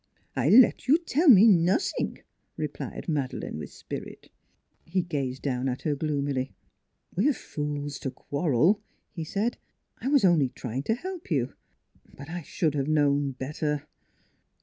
" I let you tell me nossing," replied Madeleine with spirit. He gazed down at her gloomily. " We're fools to quarrel," he said. " I was only trying to help you ; but I should have known better."